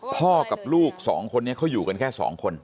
พ่อกับลูกสองคนนี้เขาอยู่กันแค่๒คน